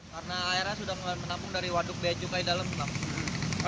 karena airnya sudah menampung dari waduk piacuka di dalam